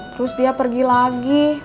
terus dia pergi lagi